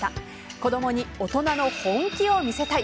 子供に大人の本気を見せたい。